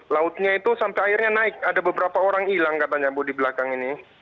lautnya itu sampai akhirnya naik ada beberapa orang hilang katanya bu di belakang ini